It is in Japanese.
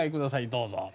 どうぞ。